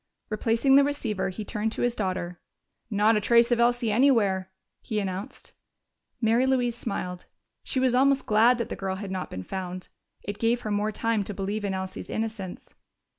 Replacing the receiver, he turned to his daughter. "Not a trace of Elsie anywhere," he announced. Mary Louise smiled: she was almost glad that the girl had not been found. It gave her more time to believe in Elsie's innocence.